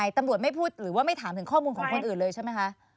ตำรวจไม่พูดหรือว่าไม่ถามถึงข้อมูลของคนอื่นเลยใช่ไหมคะ